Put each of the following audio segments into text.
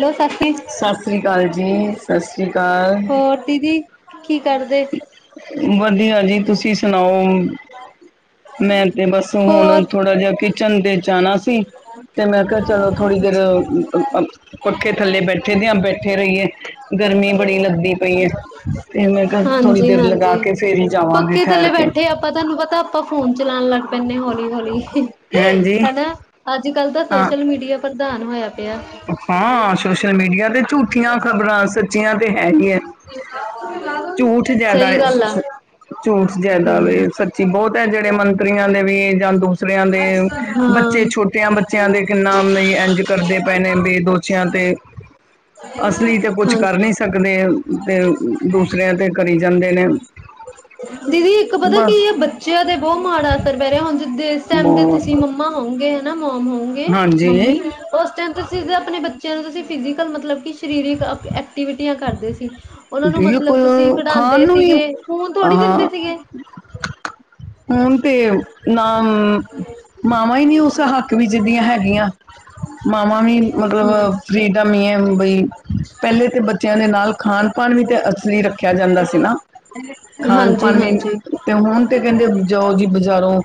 Hello, ਸਤਿ ਸਤਿ ਸ੍ਰੀ ਅਕਾਲ ਸੀ ਜੀ ਸਤਿ ਸ੍ਰੀ ਅਕਾਲ ਹੋਰ? ਦੀਦੀ ਕੀ ਕਰਦੇ? ਵਧੀਆ ਜੀ ਤੁਸੀਂ ਸੁਣਾਓ? ਮੈਂ ਤੇ ਬਸ ਹੋਰ ਹੁਣ ਥੋੜਾ ਜਿਹਾ ਕਿਚਨ ਦੇ ਜਾਣਾ ਸ ਸੀ ਤੇ ਮੈਂ ਕਿਹਾ ਚਲੋ ਥੋੜ੍ਹੀ ਦੇਰ ਪੱਖੇ ਥੱਲੇ ਬੈਠੇ ਦੇ ਆ ਬੈਠੇ ਰਹੀਏ ਗਰਮੀ ਬੜੀ ਲੱਗਦੀ ਪਈ ਹੈ। ਤੇ ਮੈਂ ਕਿਹਾ ਥੋੜੀ ਦੇਰ ਲਗਾ ਕੇ ਫੇਰ ਹੀ, ਜਾਵਾਂਗੀ ਪੱਕੇ ਠਹਿਰ ਥੱਲੇ ਕੇ ਬੈਠੇ ਆਪਾਂ ਤੁਹਾਨੂੰ ਪਤਾ ਆਪਾਂ ਫੋਨ ਚਲਾਉਣ ਲੱਗ ਪੈਂਦੇ ਆ ਹੌਲੀ ਹੌਲੀ ਹਾਂਜੀ। ਹਨਾ ਅੱਜ ਕੱਲ ਤਾਂ ਹਾਂ ਸੋਸ਼ਲ ਮੀਡੀਆ ਪ੍ਰਧਾਨ ਹੋਇਆ। ਪਿਆ ਹਾਂ ਸ਼ੋਸ਼ਲ ਮੀਡੀਆ ਤੇ ਝੂਠੀਆਂ ਖ਼ਬਰਾਂ ਸੱਚੀਆਂ ਤੇ ਹੈ ਹੀ ਏ। ਝੂਠ ਜਿਆਦਾ ਸਹੀ ਏ ਸ ਗੱਲ ਆ ਸਸ ਝੂਠ ਜਿਆਦਾ ਵੇ ਹਮ ਸ ਸਚੀ ਬਹੁਤ ਏ ਜਿਹੜੇ ਮੰਤਰੀਆਂ ਦੇ ਵੀ ਜਾਂ ਦੂਸਰਿਆਂ ਦੇ ਬੱਚੇ ਹਾਂ ਛੋਟਿਆਂ ਬੱਚਿਆਂ ਦੇ ਕਿੰਨਾ ਮਮ ਬਾਈ ਇੰਜ ਕਰਦੇ ਪਏ ਬੇ ਦੋਸ਼ੀਆਂ ਤੇ ਅਸਲੀ ਤੇ ਕੁਛ ਕਰ ਹਾਂਜੀ ਨੀ ਸਕਦੇ ਤੇ ਦੂਸਰਿਆਂ ਤੇ ਕਰੀ ਜਾਂਦੇ ਨੇ ਦੀਦੀ ਇੱਕ ਪਤਾ ਕੀ ਬਸ ਏ ਬੱਚਿਆਂ ਤੇ ਬਹੁਤ ਮਾੜਾ ਅਸਰ ਪੇ ਰਿਹਾ ਹੁਣ ਜਿਸ ਟਾਈਮ ਦੇ ਤੁਸੀਂ ਬਹੁਤ ਮੰਮਾ ਹੋੳਗੇ ਹਨਾ ਮੋਮ ਹੋਓਗੇ ਹਾਂਜੀ ਮੰਮੀ ਉਸ ਟਾਈਮ ਤੇ ਸੀ ਆਪਣੇ ਬੱਚਿਆਂ ਨੂੰ ਤੁਸੀ ਫਿਜ਼ਕਲ ਮਤਲਬ ਕਿ ਸਰੀਰਕ ਅਕ ਐਕਟੀਵਿਟੀਆਂ ਕਰਦੇ ਸੀ। ਉਹਨਾਂ ਨੂੰ ਮਤਲਬ ਤੁਸੀਂ ਬਿਲਕੁਲ ਖਿਡਾਉਂਦੇ ਖਾਣ ਨੂੰ ਵੀ ਸੀਗੇ ਫੋਨ ਥੋੜ੍ਹੀ ਹਾਂ ਦਿੰਦੇ ਸੀਗੇ। ਹੁਣ ਤੇ ਨਾ ਮਾਵਾਂ ਹੀ ਨੀ ਉਸ ਹੱਕ ਵਿੱਚ ਦੀਆਂ ਹੈਗੀਆਂ। ਮਾਵਾਂ ਵੀ ਮਤਲਬ ਫ੍ਰੀਡਮ ਈ ਐ ਬਈ ਪਹਿਲੇ ਤੇ ਬੱਚਿਆਂ ਦੇ ਨਾਲ ਖਾਣ ਨਈ ਤੇ ਅਸਲੀ ਰੱਖਿਆ ਜਾਂਦਾ ਸੀ ਨਾ ਖਾਣ ਹਾਂਜੀ ਪਾਣ ਵੀ ਹਾਂਜੀ ਤੇ ਹੁਣ ਤੇ ਕਹਿੰਦੇ ਜਾਓ ਜੀ ਬਜ਼ਾਰੋਂ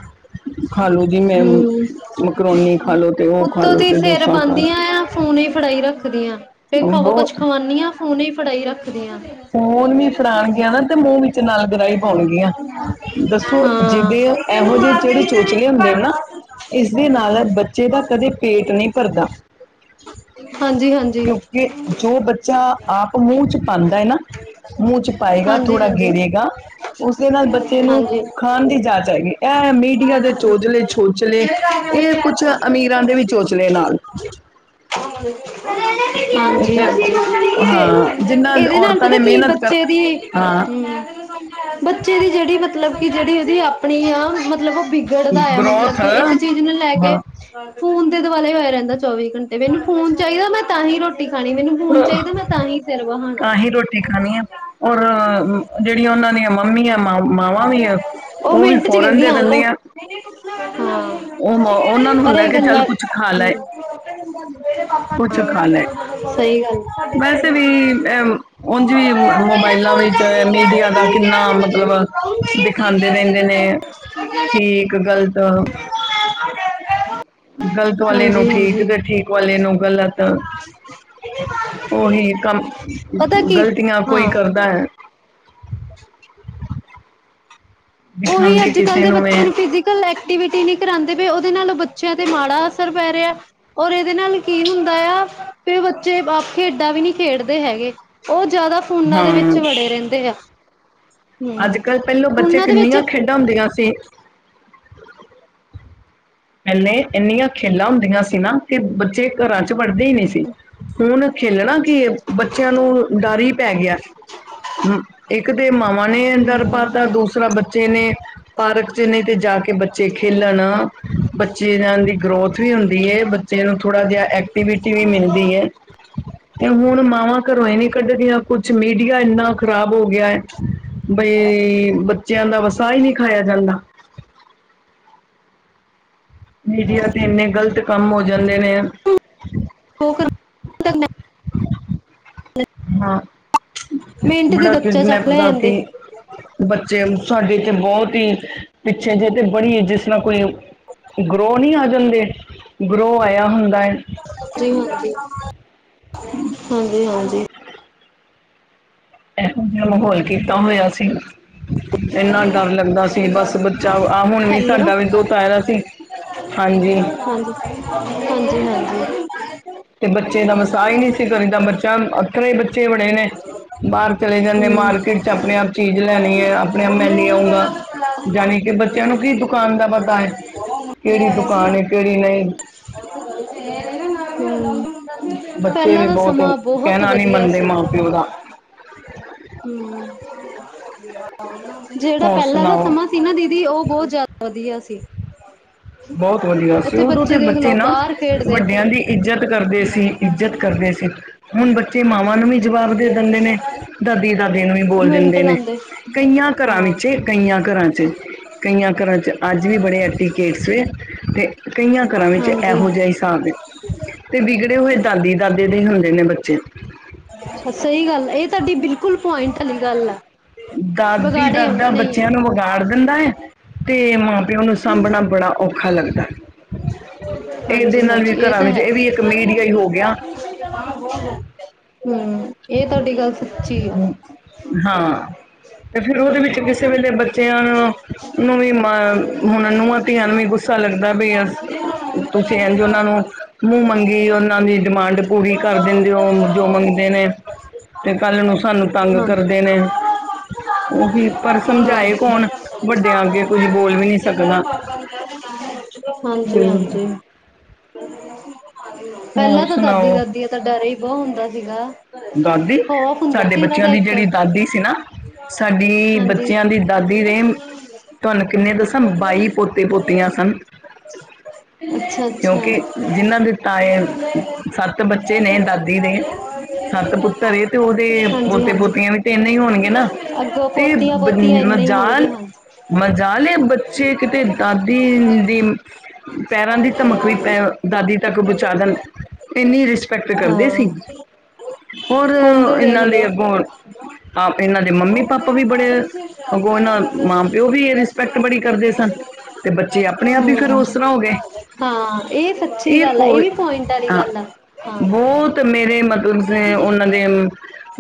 ਹਮ ਮਕਰੋਨੀ ਖਾ ਲਓ ਤੇ ਉਹ ਖਾ ਉੱਤੋਂ ਲਓ ਦੀ ਤੇ ਸਿਰ ਡੋਸਾ ਖਾ ਬਣਦੀਆਂ ਆਂ ਫੋਨ ਈ ਫੜਾਈ ਰੱਖ ਦੀ ਆਂ ਫੇਰ ਲਓ ਖਵਾ ਕੁਛ ਬਹੁਤ ਖਵਾਉਨੀ ਆ ਫੋਨ ਈ ਫੜਾਈ ਰੱਖਦੀਆਂ ਫੂਨ ਵੀ ਫ਼ੜਾਣਗੀਆਂ ਨਾ ਤੇ ਮੂੰਹ ਵਿੱਚ ਨਾਲ ਗਰਾਈ ਪਾਉਣਗੀਆਂ ਦੱਸੋ ਹਾਂ ਜਿਦੇ ਐਹੋ ਜਿਹੇ ਜਿਹੜੇ ਚੋਚਲੇ ਹੁੰਦੇ ਓ ਨਾ ਇਸਦੇ ਨਾਲ ਬੱਚੇ ਦਾ ਕਦੇ ਪੇਟ ਨਹੀਂ ਭਰਦਾ। ਹਾਂਜੀ ਹਾਂਜੀ ਕਿਉਂਕਿ ਜੋ ਬੱਚਾ ਆਪ ਮੂੰਹ ਚ ਪਾਉਂਦਾ ਏ ਨਾ ਮੂੰਹ ਚ ਪਾਏਗਾ ਥੋੜਾ ਹਾਂਜੀ-ਹਾਂਜੀ, ਗੇਰੇਗਾ ਉਸਦੇ ਨਾਲ ਬੱਚੇ ਨੂੰ ਹਾਂਜੀ। ਖਾਣ ਦੀ ਜਾਚ ਆਏਗੀ ਇਹ ਮੀਡੀਆ ਦੇ ਚੋਚਲੇ ਛੋਚਲੇ ਇਹ ਕੁਛ ਅਮੀਰਾਂ ਦੇ ਵੀ ਚੋਚਲੇ ਨਾਲ ਹ [unintelligible] ਹਾਂਜੀ ਤੇ ਹਾਂਜੀ ਤੇ ਹਾਂ ਜਿੰਨਾ ਇਹਦੇ ਨਾਲ ਔਰਤਾਂ ਪਤਾ ਨੇ ਕੀ ਮਿਹਨਤ ਕਰ ਬੱਚੇ ਦੀ ਹਾਂ ਮ ਬੱਚੇ ਦੀ ਜਿਹੜੀ ਮਤਲਬ ਕਿ ਜਿਹੜੀ ਉਹਦੀ ਆਪਣੀ ਆ ਮਤਲਬ ਉਹ ਬਿ ਗਿੜਦਾ ਆ ਮਤਲਬ ਬਰੋਥ ਕਿ ਇੱਕ ਚੀਜ਼ ਨੂੰ ਲੈ ਕੇ ਹਾਂ ਫੋਨ ਦੇ ਦੁਆਲੇ ਹੀ ਹੋਇਆ ਰਹਿੰਦਾ ਚੌਵੀ ਘੰਟੇ ਮੈਨੂੰ ਫੋਨ ਚਾਹੀਦਾ ਮੈਂ ਤਾਂ ਹੀ ਰੋਟੀ ਖਾਣੀ ਮੈਨੂੰ ਫ਼ੋਨ ਚਾਹੀਦਾ ਮੈਂ ਤਾਂ ਹੀ ਸਿਰ ਤਾਂ ਹੀ ਰੋਟੀ ਵਹਾਣਾ ਖਣੀ ਆ ਔਰ ਜਿਹੜੀਆਂ ਉਹਨਾਂ ਦੀਆਂ ਮੰਮੀਆਂ ਮਾ ਮਾਵਾਂ ਵੀ ਆ ਉਹ ਵੀ ਮਿੰਟ ਚ ਫੋਰਨ ਕਹਿੰਦੀ ਦੇ ਆ ਲੋ ਦਿੰਦੀਆਂ ਹਾਂ ਉਹ ਉਹਨਾਂ ਨੂੰ ਪਰ ਹੁੰਦਾ ਇਹ ਕਿ ਚੱਲ ਗੱਲਾਂ ਕੁਛ ਖਾ ਲੈ ਹਮ ਕੁਛ ਖਾ ਲੈ ਸਹੀ ਗੱਲ ਵੈਸੇ ਵੀ ਅ ਉਝ ਵੀ ਮੋਬਾਇਲਾਂ ਵਿੱਚ ਮੀਡੀਆ ਦਾ ਕਿੰਨਾ ਮਤਲਬ ਦਿਖਾਂਦੇ ਰਹਿੰਦੇ ਨੇ ਠੀਕ ਗ਼ਲਤ ਗ਼ਲਤ ਵਾਲੇ ਨੂੰ ਹਾਂਜੀ ਹਾਂਜੀ ਠੀਕ ਤੇ ਠੀਕ ਵਾਲੇ ਨੂੰ ਗ਼ਲਤ [unintelligible] ਉਹੀ ਕੰਮ ਪਤਾ ਕੀ ਗਲਤੀਆਂ ਕੋਈ ਹਾਂ ਕਰਦਾ ਹੈ ਉਹੀ ਦਿਖਾਉਂਦੇ ਅੱਜ ਕੱਲ ਕਿਸੇ ਦੇ ਬੱਚਿਆਂ ਹੈ ਨੂੰ ਫਿ ਟੀਵੀ ਟੀਵੀ ਕਰਾਂਦੇ ਪਏ ਉਹਦੇ ਨਾਲੋਂ ਬੱਚਿਆਂ ਤੇ ਮਾੜਾ ਅਸਰ ਪੈ ਰਿਹਾ ਐ ਔਰ ਇਹਦੇ ਨਾਲ ਕੀ ਹੁੰਦਾ ਆ ਵੀ ਬੱਚੇ ਖੇਡਾਂ ਵੀ ਨਹੀਂ ਖੇਡਦੇ ਹੈਗੇ। ਉਹ ਜ਼ਿਆਦਾ ਫੋਨਾਂ ਹਾਂ ਦੇ ਵਿੱਚ ਵੜੇ ਰਹਿੰਦੇ ਆ ਅੱਜ ਹਮ ਕੱਲ੍ਹ ਪਹਿਲੋਂ ਬੱਚੇ ਉਹਨਾਂ ਦੇ ਵਿੱਚ ਕਿੰਨੀਆਂ ਖੇਡਾਂ ਹੁੰਦੀਆਂ ਸੀ ਪਹਿਲੇ ਇੰਨੀਆਂ ਖੇਲਾਂ ਹੁੰਦੀਆਂ ਸੀ ਨਾ ਕਿ ਬੱਚੇ ਘਰਾਂ ਚ ਵੜਦੇ ਹੀ ਨਹੀਂ ਸੀ। ਹੁਣ ਖੇਲਣਾ ਕੀ ਏ ਬੱਚਿਆਂ ਨੂੰ ਡਰ ਈ ਪੈ ਗਿਆ ਅਮ ਇੱ ਇੱਕ ਦੇ ਮਾਵਾਂ ਨੇ ਡਰ ਹਮ ਪਾਤਾ ਦੂਸਰਾ ਬੱਚੇ ਨੇ ਪਾਰਕ ਚ ਨਹੀਂ ਤੇ ਜਾ ਕੇ ਬੱਚੇ ਖੇਲਣ ਬੱਚਿਆਂ ਦੀ ਗਰੋਥ ਵੀ ਹੁੰਦੀ ਏ ਬੱਚੇ ਨੂੰ ਥੋੜ੍ਹਾ ਜਿਹਾ ਐਕਟੀਵਿਟੀ ਵੀ ਮਿਲਦੀ ਐ [inaudible] ਤੇ ਹੁਣ ਮਾਵਾਂ ਘਰੋਂ ਈ ਨੀ ਕੱਢਦੀਆਂ ਕੁੱਛ ਮੀਡੀਆ ਇੰਨਾ ਖਰਾਬ ਹੋ ਗਿਆ ਹੈ ਬਈ ਬੱਚਿਆਂ ਦਾ ਵਸਾ ਹੀ ਨਹੀਂ ਖਾਇਆ ਜਾਂਦਾ। ਮੀਡੀਆ ਤੇ ਇੰਨੇ ਗ਼ਲਤ ਕੰਮ ਹੋ ਜਾਂਦੇ ਨੇ ਉਹ ਕਰਾ ਲੈਂਦੇ। [unintelligible] [inaudible] ਹਾਂ ਮਿੰਟ ਦੇ ਬੜਾ ਕੁ ਬੱਚਾ ਨੇ ਚੱਕ [unintelligible] ਲੈ ਪਤਾ ਜਾਂਦੇ ਕਿ ਬੱਚੇ ਗੂੰ ਸਾਡੇ ਤੇ ਬਹੁਤ ਹੀ ਪਿੱਛੇ ਜਿਹੇ ਤੇ ਬੜੀ ਜਿਸ ਨਾਲ ਕੋਈ ਗਰੋ ਨਹੀਂ ਆ ਜਾਂਦੇ ਗਰੋ ਆਇਆ ਹੁੰਦਾ ਐ ਹਾਂ ਹਾਂਜੀ ਹਾਂਜੀ ਐਹੋ ਜਿਹਾ ਮਾਹੌਲ ਕੀਤਾ ਹੋਇਆ ਸੀ ਇੰਨਾ ਡਰ ਲੱਗਦਾ ਸੀ ਬਸ ਬੱਚਾ ਆਹ ਹੁਣ ਵੀ ਸਾਡਾ ਵੀ ਦੋਤਾ ਆ ਵਾ ਸੀ। ਹਜੀ ਹਾਂਜੀ ਹਾਂਜੀ ਹਾਂਜੀ, [unintelligible] ਤੇ ਬੱਚੇ ਦਾ ਵਸਾ ਹੀ ਨਹੀਂ ਸੀ ਕਰੀ ਤਾਂ ਬੱਚਾ ਅੱਖਰੇ ਬੱਚੇ ਬਣੇੇ ਨੇ ਬਾਹਰ ਚਲੇ ਜਾਂਦੇ ਹਮ ਮਾਰਕੀਟ ਚ ਆਪਣੇ ਆਪ ਚੀਜ਼ ਲੈਣੀ ਹੈ ਆਪਣੇ ਆਪ ਮੈ ਲੇ ਆਉਂਗਾ ਜਾਣੀ ਕਿ ਬੱਚਿਆਂ ਨੂੰ ਕੀ ਦੁਕਾਨ ਦਾ ਪਤਾ ਹੈ ਕਿਹੜੀ ਦੁਕਾਨ ਕਿਹੜੀ ਨਹੀ। [unintelligible] ਬੱਚੇ ਪਹਿਲਾ ਵੀ ਦਾ ਬਹੁਤ ਸਮਾ ਬੋਹਤ ਕਹਿਣਾ ਨਹੀਂ ਵਧੀਆ ਮੰਨਦੇ ਸੀ। ਮਾਂ ਪਿਓ ਦਾ ਹੂੰ ਜਿਹੜਾ ਹੋਰ ਪਹਿਲਾ ਦਾ ਸੁਣਾਓ ਸਮਾ ਸੀ ਨਾ ਦੀਦੀ ਉਹ ਬੋਹਤ ਜਾਦਾ ਵਧੀਆ ਸੀ। ਬਹੁਤ ਵਧੀਆ ਸੀ ਉੱਥੇ [unintelligible] ਤੇ ਦੇਖ ਬੱਚੇ ਲਓ ਨਾ ਬਾਹਰ ਖੇਡਦੇ ਵੱਡਿਆ ਸੀ ਦੀ ਇੱਜ਼ਤ ਕਰਦੇ ਸੀ, ਇੱਜ਼ਤ ਕਰਦੇ ਸੀ। ਹੁਣ ਬੱਚੇ ਮਾਵਾ ਨੂੰ ਵੀ ਜਵਾਬ ਦੇ ਦਿੰਦੇ ਨੇ ਦਾਦੀ ਦਾਦੀ ਨੂੰ ਵੀ ਬੋਲ ਮਿੰਟ ਦਿੰਦੇ ਨੇ। ਲਾਉਂਦੇ ਕਈਆ ਘਰਾ ਹਾਂ। ਵਿੱਚ ਕਈਆ ਘਰਾ ਚ ਕਈਆ ਘਰਾ ਚ ਅੱਜ ਵੀ ਬੜੇ ਐਟੀਕੇਟਸ ਨੇ ਤੇ ਕਈਆ ਘਰਾ ਵਿੱਚ ਹਾਂਜੀ ਇਹੋ ਜਿਹਾ ਹਿਸਾਬ ਤੇ ਵਿਗੜੇ ਹੋਏ ਦਾਦੀ ਦਾਦੇ ਦੇ ਹੁੰਦੇ ਨੇ ਬੱਚੇ। ਸਹੀ ਗੱਲ ਆ ਇਹ ਤੁਹਾਡੀ ਬਿਲਕੁਲ ਪੁਆਇੰਟ ਆਲੀ ਗੱਲ ਹੈ। ਦਾਦੀ ਦਾਦਾ ਬੱਚਿਆ ਨੂੰ ਬ ਗਾੜ ਦਿੰਦਾ ਏ ਤੇ ਮਾਂ-ਪਿਓ ਨੂੰ ਸਾਂਭਣਾ ਬੜਾ ਔਖਾ ਲੱਗਦਾ। ਇਹਦੇ ਨਾਲ ਵੀ ਹਾਂਜੀ-ਹਾਂਜੀ ਏ ਘਰਾਂ ਤਾਂ ਵਿੱਚ ਹੈ। ਇਹ ਵੀ ਇੱਕ ਮੀਡੀਆ ਹੀ ਹੋ ਗਿਆ ਹੂੰ, ਏ ਤੁਹਾਡੀ ਗੱਲ ਆ। ਹਾਂ। ਤੇ ਫੇਰ ਉਦੇ ਵਿੱਚ ਕਿਸੇ ਵੇਲੇ ਬੱਚਿਆ ਨੂੰ ਵੀ ਹੁਣ ਨੂੰਹਾਂ ਧੀਆਂ ਵੀ ਗੁਸ ਗੁੱਸਾ ਲੱਗਦਾ ਬਈ ਅਸ ਹਾਂਜੀ ਹਾਂਜੀ। ਤੁਸੀ ਐੰਝ ਓਨਾ ਨੂੰ ਮੂੰਹ ਮੰਗੀ ਓਨਾਂ ਦੀ ਡਿਮਾਂਡ ਪੂਰੀ ਕਰ ਦਿੰਦੇ ਔ ਜੋ ਮੰਗਦੇ ਨੇ ਤੇ ਕੱਲ ਨੂੰ ਸਾ [unintelligible] [unintelligible] ਉਹੀ ਪਰ ਸਮਝਾਏ ਕੌਣ ਵੱਡਿਆਂ ਅੱਗੇ ਕੁਝ ਬੋਲ ਵੀ ਨਹੀਂ ਸਕਦਾ ਹੂੰ, ਹਾਂਜੀ-ਹਾਂਜੀ ਪੈਲਾ ਹੋਰ ਤਾ ਸੁਣਾਓ? ਦਾਦੀ-ਦਾਦੀ ਤਾ ਡਰ ਈ ਬੌਹ ਹੁੰਦਾ ਸੀਗਾ। ਦਾਦੀ, ਖੌਫ ਹੁੰਦਾ ਸਾਡੇ ਸੀ ਉਹਨਾਂ ਬੱਚਿਆਂ ਦਾ ਦੀ ਇੱਕ ਜੇੜੀ ਦਾਦੀ ਸੀ ਨਾ ਸਾਡੀ ਹਾਂਜੀ ਬੱਚਿਆ ਦੀ ਦਾਦੀ ਦੇ ਤੁਆਨੂੰ ਕਿੰਨੇ ਦੱਸਾ ਬਾਈ ਅੱਛਾ ਪੋਤੇ-ਪੋਤੀਆ ਸਨ। [inaudible] ਕਿਉਂਕਿ ਜਿਨਾਂ ਦੇ ਤਾਏ ਸੱਤ ਬੱਚੇ ਨੇ ਦਾਦੀ ਦੇ। ਸੱਤ ਪੁੱਤਰ ਏ ਤੇ ਔਦੇ ਹਾਂਜੀ ਹਾਂਜੀ ਪੋਤੇ-ਪੋਤੀਆ ਵੀ ਤੇ ਇਨੇ ਹੀ ਹੋਣਗੇ ਨਾ। ਅੱਗੋਂ ਤੇ ਪੋਤੀਆਂ ਬ ਪੋਤੀਆਂ ਇੰਨੇ ਹੀ ਹੋਣਗੇ ਮਜ਼ਾਲ ਹਾਂਜੀ ਮਜ਼ਾਲ ਏ ਬੱਚੇ ਕਿਤੇ ਦਾਦੀ ਦੀ ਪੈਰਾ ਦੀ ਧਮਕ ਵੀ ਪੈ ਦਾਦੀ ਤੱਕ ਪਹੁੰਚਾਦਨ ਇੰਨੀ ਰਿਸਪੈਕਟ ਕਰਦੇ ਹਾਂ ਸੀ। ਔਰ ਹੁਣ ਦੇ ਦੇਖ ਇੰਨਾ ਲੋ ਦੀ ਅੱਗੋਂ ਇਹਨਾਂ ਦੇ ਮੰਮੀ ਪਾਪਾ ਵੀ ਬੜੇ ਅਗੋਂ ਇਹਨਾਂ ਮਾਂ ਪਿਓ ਵੀ ਇਹਦੇ ਪੈਕਟ ਬੜੀ ਕਰਦੇ ਸਨ ਤੇ ਬੱਚੇ ਆਪਣੇ ਆਪ ਹੀ ਫਿਰ ਹਮ ਉਸ ਤਰ੍ਹਾਂ ਹੋ ਗਏ। ਹਾਂ ਇਹ ਸੱਚੀ ਇਹ ਗੱਲ ਆ ਕੋਈ ਵੀ ਪੁਆਇੰਟ ਵਾਲੀ ਹਾ ਗੱਲ ਆ ਹਾਂ ਬਹੁਤ ਮੇਰੇ ਮਤਲਬ ਦੇ ਉਨਾ ਦੇ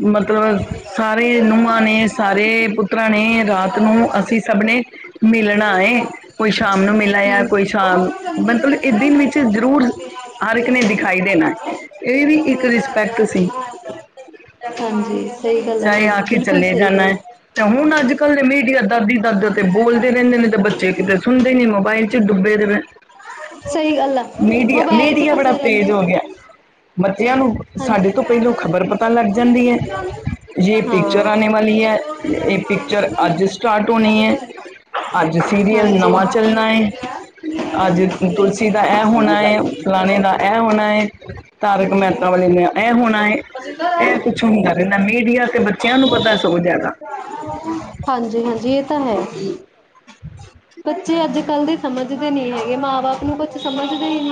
ਮਤਲਬ ਹਾਂਜੀ। ਸਾਰੇ ਈ ਨੂੰਹਾ ਨੇ ਸਾਰੇ ਪੁੱਤਰਾ ਨੇ ਰਾਤ ਨੂੰ ਅਸੀ ਸਭ ਨੇ ਮਿਲਣਾ ਏ। ਕੋਈ ਸ਼ਾਮ ਨੂੰ ਮਿਲ ਆਇਆ ਕੋਈ ਉਹ ਸ਼ਾਮ ਸਮਝਣ ਮਤਲਬ ਇਹ ਕਹਿੰਦਾ ਦਿਨ ਮੈਂ ਵਿੱਚ ਤੁਹਾਨੂੰ ਜ਼ਰੂਰ ਏਦਾਂ ਹਰ ਇੱਕ ਨੇ ਕਿਹਾ ਦਿਖਾਈ ਦੇਣਾ ਇਹ ਵੀ ਇੱਕ ਆਪਣੇ ਘਰ ਰਿਸਪੈਕਟ ਜਾ ਸੀ। ਤੂੰ ਹਾਂਜੀ ਸਹੀ ਗੱਲ ਹੈ ਤੁਹਾਡੀ। ਬਿਲਕੁਲ ਚਲੇਆ ਸਹੀ ਜਾਣਾ ਗੱਲ ਆ ਤੇ ਹੁਣ ਅੱਜ-ਕੱਲ੍ਹ ਦੇ ਮੀਡੀਆ ਦਾਦੀ-ਦਾਦਾ ਤੇ ਬੋਲਦੇ ਰੈੰਦੇ ਨੇ ਤੇ ਬੱਚੇ ਕਿਦਰ ਸੁਣਦੇ ਨੀ ਮੋਬਾਈਲ ਚ ਡੁਬੇ ਦੇ ਨੇ। ਸਹੀ ਗੱਲ ਆ ਮੀਡੀਆ, ਮੋਬਾਇਲ ਚ ਮੀਡੀਆ ਬੜਾ ਫਸੇ ਰਹਿੰਦੇ ਤੇਜ਼ ਹੋ ਗਿਆ। ਬੱਚਿਆ ਨੂੰ ਸਾਡੇ ਹਾਂਜੀ ਤੋਂ ਪੈਲੋ ਖ਼ਬਰ ਪਤਾ ਲੱਗ ਜਾਂਦੀ ਏ। ਯੇ ਹਾਂ। ਪਿੱਚਰ ਆਣੇ ਵਾਲੀ ਐ, ਏ ਪਿਚਰ ਅੱਜ ਸਟਾਰਟ ਹੋਣੀ ਏ। ਅੱਜ ਸੀਰੀਅਲ ਹਾਂਜੀ। ਨਵਾ ਚੱਲਣਾ ਏ। ਅੱਜ ਤੁਲਸੀ ਦਾ ਐ ਹੋਣਾ ਏ, ਫਲਾਣੇ ਦਾ ਐ ਹੋਣਾ ਏ ਤਾਰਕ ਮੈਤਾ ਵਾਲੇ ਨੇ ਐ ਹੋਣਾ ਏ ਅਸੀਂ ਤਾਂ ਐ ਰਹਿ ਕੁੱਛ ਹੁੰਦਾ ਰੈੰਦਾ ਮੀਂ ਡੀਆ ਤੇ ਬੱਚਿਆ ਨੂੰ ਪਤਾ ਸਗੋ ਜਾਦਾ। ਹਾਂਜੀ ਹਾਂਜੀ, ਏ ਤਾਂ ਹੈ। ਬੱਚੇ ਅੱਜ-ਕੱਲ ਦੇ ਸਮਝਦੇ ਨੀ ਹੈਗੇ। ਮਾਂ-ਬਾਪ ਨੂੰ ਕੁਛ ਸਮਝਦੇ ਈ ਨੀ।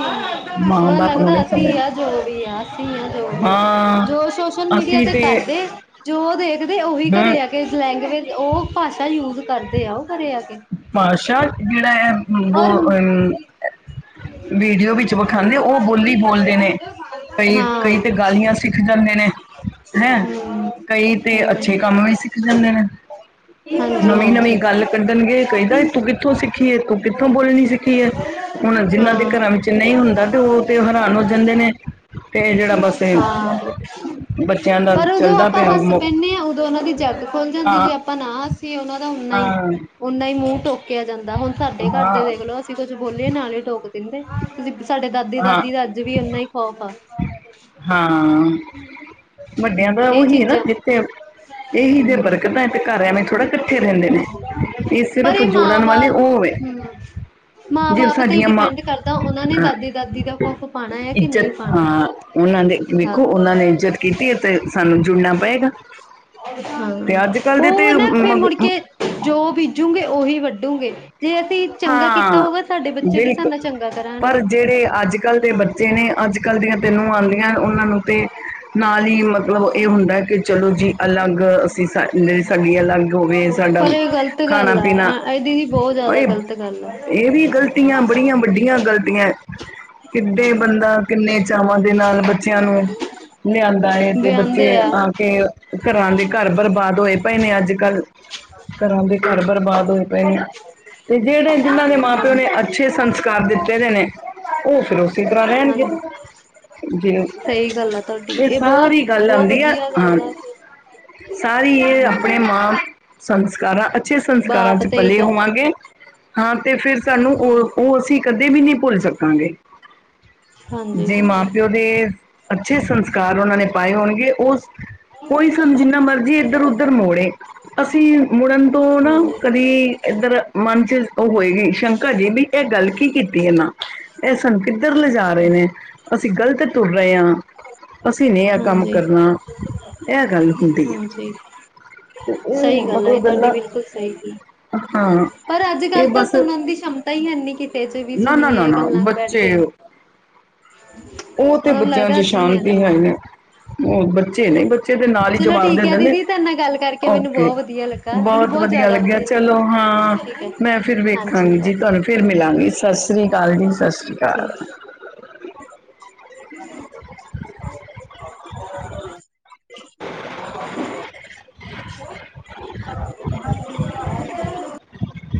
ਮਾਂ ਉਨਾਂ ਨੁ ਬਾਪ ਨੂੰ ਲਗਦਾ ਨਹੀਂ ਅਸੀਂ ਈ ਸਮਝਦੇ ਆ ਜੋ ਵੀ ਯਾਰ ਅਸੀਂ ਆ ਜੋ ਵੀ ਯਾਰ,, ਮਾਂ ਜੋ ਸੋਸ਼ਲ ਮੀਡੀਆ ਤੇ ਕਾਰਦੇ, ਜੋ ਦੇਖਦੇ ਓਹੀ ਹਮ ਘਰੇ ਆ [unintelligible] ਲੈਂਗੁਏਜ ਓਹ ਭਾਸ਼ਾ ਯੁੂਜ ਕਰਦੇ ਆ ਓਹ ਘਰੇ ਆ ਕੇ। ਭਾਸ਼ਾ ਜਿਹੜਾ ਹੈ ਓਰ ਉਹ ਵੀਡੀਓ ਵਿੱਚ ਵਿਖਾਉਂਦੇ ਉਹ ਬੋਲੀ ਬੋਲਦੇ ਨੇ ਕਈ ਕਈ ਹਾਂ। ਤੇ ਗਾਲੀਆਂ ਸਿੱਖ ਜਾਂਦੇ ਨੇ। ਹੈ ਕਈ [unintelligible] ਤੇ ਅੱਛੇ ਕੰਮ ਵੀ ਸਿੱਖ ਜਾਂਦੇ ਨੇ। ਨਵੀਂ-ਨਵੀਂ ਹਾਂਜੀ ਗੱਲ ਕੱਢਣਗੇ, ਕਈ ਦਾ ਏ ਤੂੰ ਕਿੱਥੋਂ ਸਿੱਖੀ ਏ, ਤੂੰ ਕਿੱਥੋਂ ਬੋਲਣੀ ਸਿੱਖੀ ਏ? ਹੁਣ ਜਿੰਨਾਂ ਦੇ ਹਾਂ ਘਰਾਂ ਵਿੱਚ ਨਈ ਹੁੰਦਾ ਤੇ ਓਹ ਤੇ ਹੈਰਾਨ ਹੋ ਜਾਂਦੇ ਨੇ। ਤੇ ਇਹ ਜਿਹੜਾ ਬਸ ਇਹ ਹਾਂ, ਬੱਚਿਆਂ ਦਾ ਪਰ ਚੱਲਦਾ ਪਿਆ ਮੁ- ਪੈਨੇ ਆ ਉਦੋਂ ਇਨਾਂ ਦੀ ਜਾੱਗ ਖੁੱਲ ਜਾਂਦੀ ਹਾਂ ਜੇ ਆ ਬਨਾ ਅਸੀਂ ਉਨਾਂ ਦਾ ਓਨਾ ਈ, ਹਾਂ ਓਨਾ ਈ ਮੂੰ ਟੋਕਿਆ ਜਾਂਦਾ ਹੁਣ ਸਾਡੇ ਘਰ ਦੇ ਹਾਂ ਵੇਖਲੋ ਅਸੀ ਕੁੱਝ ਬੋਲੀਏ ਨਾਲ ਈ ਟੋਕ ਦੇਂਦੇ। ਸਾਡੇ ਦਾਦੀ ਹਾਂ ਦਾਦੀ ਦਾ ਅੱਜ ਵੀ ਉਨਾ ਈ ਖੌਫ ਆ। ਹਾਂ ਵੱਡਿਆਂ ਦਾ ਇਹ ਓਹੀ ਏਨਾ ਚੀਜ਼ਾਂ ਜਿੱਥੇ ਇਹੀ ਤੇ ਹਮ ਬਰਕਤਾਂ ਤੇ ਘਰ ਐਵੇਂ ਥੋੜਾ ਕੱਠੇ ਰੈਂਦੇ ਨੇ, ਇਹ ਸਿਰਫ਼ ਜੋੜਨ ਵਾਲੇ ਓ ਵੇ ਮਾਂ-ਬਾਪ ਤੇ ਈ ਡਿਪੈਂਡ ਕਰਦਾ ਉਨਾਂ ਨੇ ਹਾਂ ਦਾਦੀ ਦਾਦੀ ਦਾ ਖੌਫ ਪਾਉਣਾ ਹੈ ਕਿ ਇੱਜ਼ਤ ਨਹੀਂ ਪਾਉਣਾ ਹਾਂ, ਉਨਾਂ ਨੇ ਹਾਂ ਵੇਖੋ ਉਨਾਂ ਨੇ ਇੱਜ਼ਤ ਕੀਤੀ ਅਤੇ ਸਾਨੂੰ ਜੁੜਨਾ ਪਏਗਾ ਹਾਂ ਤੇ ਅੱਜ-ਕੱਲ ਦੇ ਉਹ ਤੇ ਨਾ ਫੇਰ ਮਗ ਮੁੜ ਕੇ ਜੋ ਬੀਜੂਗੇ ਓਹੀ ਵੱਢੂਗੇ। ਜੇ ਅਸੀਂ ਚੰਗਾ ਕੀਤਾ ਹਾਂ ਹੋਊਗਾ, ਸਾਡੇ ਬੱਚੇ ਵੀ ਸਾਡੇ ਬਿਲਕੁਲ ਨਾਂ ਚੰਗਾ ਕਰਾਣਗੇ, ਹਾਂ। ਜੇ ਨੇ ਅੱਜ ਕੱਲ ਦੀਆਂ ਤੇ ਨੂੰਆ ਆਉਂਦੀਆਂ ਉਨਾਂ ਨੂੰ ਤੇ ਨਾਲ ਹੀ ਮਤਲਬ ਏ ਹੁੰਦਾ ਕਿ ਚਲੋ ਜੀ ਅਲੱਗ ਅਸੀ ਸ ਸੈ ਸਾਡੀ ਅਲੱਗ ਹੋਵੇ ਸਾਡਾ ਪਰ ਇਹ ਗ਼ਲਤ ਖਾਣਾ ਗੱਲ ਪੀਣਾ ਆ ਇਹ ਦੀਦੀ ਬੌਤ ਜੈਦਾ ਗ਼ਲਤ ਗੱਲ ਆ। ਏ ਵੀ ਗ਼ਲਤੀਆਂ ਬੜੀਆਂ ਵੱਡੀਆਂ ਗ਼ਲਤੀਆਂ ਕਿੱਡੇ ਬੰਦਾ ਕਿੰਨੇ ਚਾਵਾਂ ਦੇ ਨਾਲ ਬੱਚਿਆਂ ਨੂੰ ਲਿਆਂਦਾ ਏ ਤੇ ਬੱਚੇ ਆ ਕੇ ਘਰਾਂ ਦੇ ਘਰ ਬਰਬਾਦ ਹੋਏ ਪਏ ਨੇ ਅੱਜ-ਕੱਲ। ਘਰਾਂ ਦੇ ਘਰ ਬਰਬਾਦ ਹੋਏ ਪਏ ਨੇ। [inaudible] ਜੇੜੇ ਜਿਨ੍ਹਾਂ ਦੇ ਮਾਂ-ਪਿਓ ਹਾਂਜੀ ਨੇ ਅੱਛੇ ਸੰਸ ਕਾਰ ਦਿੱਤੇ ਦੇ ਨੇ ਓ ਫੇਰ ਓਸੀ ਤਰਾਂ ਰੈਣਗੇ। ਹਾਂਜੀ ਜੇ, ਸਹੀ ਗੱਲ ਆ ਤੁਹਾਡੀ ਏਹ ਇਹ ਸਾਰੀ ਬਹੁਤ ਗੱਲ ਬਹੁਤ ਆੰਦੀ ਐ, ਵਧੀਆ ਹਾਂ। ਗੱਲ ਆ ਸਾਰੀ ਏ ਅਪਣੇ ਹਮ ਮਾਂ ਸੰਸਕਾਰਾਂ ਅੱਛੇ ਸੰਸਕਾਰਾਂ ਬਾਪ ਚ ਤੇ ਹੀ ਪਲੇ ਜਾਂ ਹੋਵਾਂਗੇ ਹਾਂ ਤੇ ਫਿਰ ਸਾਨੂੰ ਓ, ਓ ਅਸੀਂ ਕਦੇ ਵੀ ਨੀ ਭੁੱਲ ਸਕਾਂਗੇ। ਹਾਂਜੀ ਜੇ ਮਾਂ ਹਾਂਜੀ ਪਿਓ ਦੇ ਅੱਛੇ ਸੰਸਕਾਰ ਉਨਾਂ ਨੇ ਪਾਏ ਹੋਣਗੇ ਓ ਕੋਈ ਸਾਨ ਜਿੰਨਾ ਮਰਜੀ ਇੱਧਰ-ਉੱਧਰ ਮੋੜੇ, ਅਸੀਂ ਮੁੜਨ ਤੋਂ ਨਾ ਹਾਂਜੀ ਕਦੀ ਇੱਧਰ ਮਨ ਚ ਓ ਹੋਏਗੀ ਸ਼ੰਕਾ ਜੀਨੀ, ਏ ਗੱਲ ਕੀ ਕੀਤੀ ਏਨਾ ਐ ਸਾਨੂੰ ਕਿੱਧਰ ਲਿਜਾ ਰਏ ਨੇ। ਅਸੀਂ ਗਲਤ ਤੁਰ ਰਏ ਆ। ਅਸੀਂ ਨੀ ਐ ਕੰਮ ਹਾਂਜੀ ਕਰਨਾ, ਐ ਗੱਲ ਹੁੰਦੀ ਐ। ਹਾਂਜੀ ਤੇ ਓ ਸਹੀ ਗੱਲ ਆ ਇਹ ਮਤਲਬ ਤੁਹਾਡੀ ਦੇਲਾ, ਬਿਲਕੁਲ ਸਹੀ ਗੱਲ ਹਾਂ। ਪਰ ਅੱਜ ਇਹ ਕੱਲ ਤਾਂ ਬਸ ਸੁਣਨ ਦੀ ਛਮਤਾ ਈ ਹੈਨੀ ਕਿਤੇ ਜੇ ਵੀ ਨਾ ਨਾ ਨਾ ਸੁਣੀਏ ਨਾ ਗੱਲਾਂ ਨੂੰ ਬੈਠ ਕੇ। ਓ ਤੇ ਉਹਨਾਂ ਨੂੰ ਬੱਚਿਆਂ ਲੱਗਦਾ ਚ ਅਸੀਂ ਆ ਸ਼ਾਂਤੀ ਜੋ ਹੈ ਨੀ। ਓ ਬੱਚੇ ਨੇ ਬੱਚੇ ਤੇ ਨਾਲ ਈ ਚਲੋ ਜਵਾਬ ਦੇ ਠੀਕ ਹੈ ਦਿੰਦੇ, ਦੀਦੀ ਤੁਹਾਡੇ ਨਾਲ ਗੱਲ ਕਰਕੇ ਮੈਨੂੰ ਓਕੇ। ਬਹੁਤ ਵਧੀਆ ਲੱਗਾ ਮੈਨੂੰ ਬੌਤ ਬਹੁਤ ਵਦੀਆ ਜ਼ਿਆਦਾ ਲੱਗਿਆ ਵਧੀਆ ਚਲੋ ਲੱਗਾ। ਹਾਂ, ਠੀਕ ਹੈ ਮੈਂ ਫਿਰ ਵੇਖਾਂਗੀ ਹਾਂਜੀ ਜੀ ਤੁਆਨੂੰ ਫਿਰ ਮਿਲਾਂਗੀ ਸਾਸ ਸ੍ਰੀ ਕਾਲ ਜੀ ਸਾਸ੍ਰੀ ਠੀਕ। ਅਕਾਲ। [unintelligible] [unintelligible] [unintelligible]